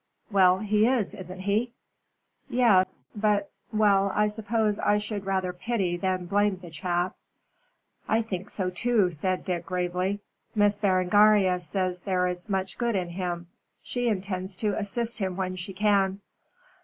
"Well, he is, isn't he?" "Yes, but well, I suppose I should rather pity than blame the chap." "I think so too," said Dick gravely. "Miss Berengaria says there is much good in him. She intends to assist him when she can."